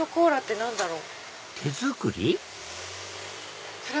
何だろう？